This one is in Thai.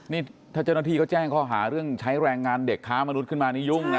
นี่ถ้าเจ้าหน้าที่เขาแจ้งข้อหาเรื่องใช้แรงงานเด็กค้ามนุษย์ขึ้นมานี่ยุ่งนะ